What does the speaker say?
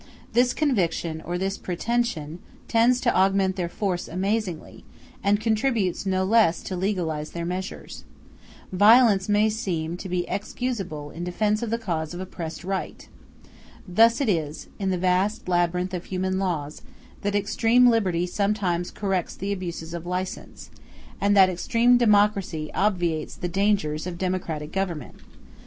This conviction or this pretension tends to augment their force amazingly, and contributes no less to legalize their measures. Violence may seem to be excusable in defence of the cause of oppressed right. Thus it is, in the vast labyrinth of human laws, that extreme liberty sometimes corrects the abuses of license, and that extreme democracy obviates the dangers of democratic government.